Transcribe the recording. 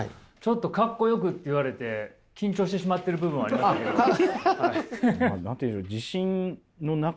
ちょっと「かっこよく」って言われて緊張してしまっている部分ありますけれど。